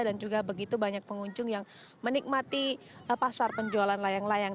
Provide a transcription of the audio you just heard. dan juga begitu banyak pengunjung yang menikmati pasar penjualan layang layang